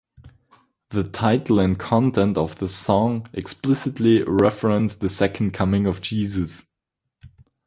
The title and content of the song explicitly reference the Second Coming of Jesus.